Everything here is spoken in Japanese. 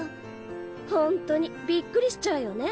ホントにびっくりしちゃうよね。